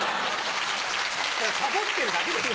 サボってるだけでしょ！